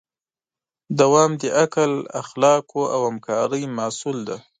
دوام د عقل، اخلاقو او همکارۍ محصول دی.